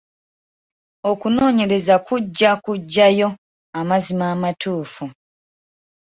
Okunoonyereza kujja kuggyayo amazima amatuufu.